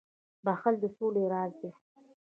• بخښل د سولي راز دی.